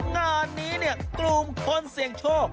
งานนี้กลุ่มคนเสี่ยงโชค